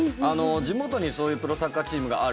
地元にそういうプロサッカーチームがある。